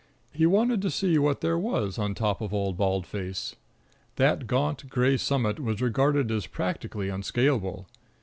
He wanted to see what there was on top of Old Bald Face. That gaunt gray summit was regarded as practically unscalable.